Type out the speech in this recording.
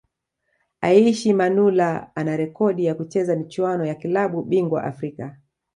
Aishi Manula ana rekodi ya kucheza michuano ya klabu bingwa Afrika